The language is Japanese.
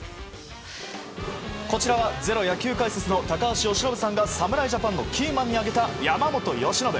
こちらは「ｚｅｒｏ」野球解説の高橋由伸さんがキーマンに挙げた山本由伸。